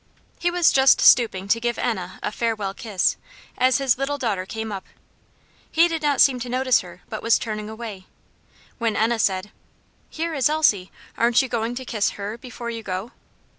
He was just stooping to give Enna a farewell kiss, as his little daughter came up. He did not seem to notice her, but was turning away, when Enna said, "Here is Elsie; aren't you going to kiss her before you go?"